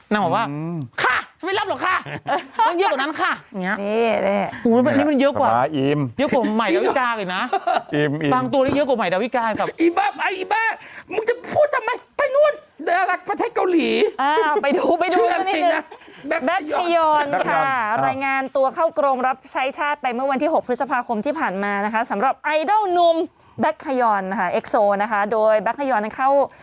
นางบอกว่าค่ะฉันไม่รับหรอกค่ะ